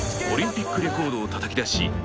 オリンピックレコードをたたき出し